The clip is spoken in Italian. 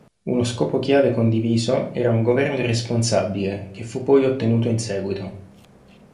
Uno scopo chiave condiviso era un governo responsabile, che fu poi ottenuto in seguito.